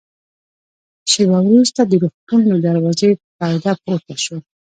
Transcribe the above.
شېبه وروسته د روغتون له دروازې پرده پورته شول.